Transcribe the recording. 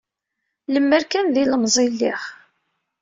Lemer kan d ilemẓi i lliɣ.